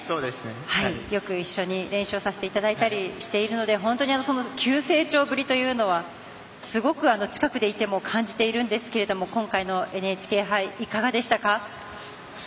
よく一緒に練習をさせていただいたりしているので本当にその急成長ぶりというのはすごく近くにいても感じているんですけれども今回のＮＨＫ杯いかがでしたか？